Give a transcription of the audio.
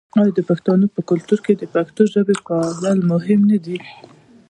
آیا د پښتنو په کلتور کې د پښتو ژبې پالل مهم نه دي؟